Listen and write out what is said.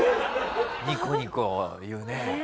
ニコニコ言うね。